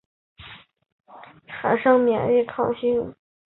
病愈后的患者通常对该疾病会产生免疫抗性。